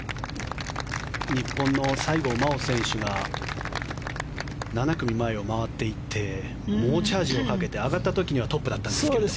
日本の西郷真央選手が７組前を回っていって猛チャージをかけて上がった時にはトップだったんですけど。